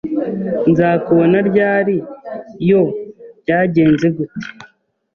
Nzakubona Ryari ,yo byagenze gute